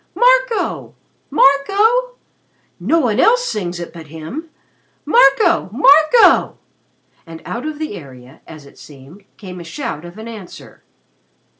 Marco! Marco! No one else sings it but him. Marco! Marco!" And out of the area, as it seemed, came a shout of answer.